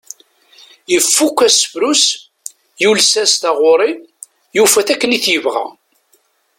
Ifukk asefru-s, yules-as taɣuri, yufa-t akken i t-yebɣa.